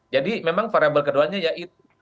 jadi memang variable keduanya ya itu